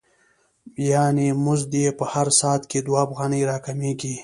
یانې مزد یې په هر ساعت کې دوه افغانۍ را کمېږي